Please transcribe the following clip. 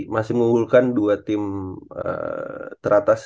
masih mengunggulkan dua tim teratas